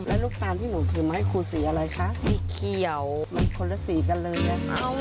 แล้วลูกตาลที่หนูถือมาให้ครูสีอะไรคะสีเขียวมันคนละสีกันเลยค่ะ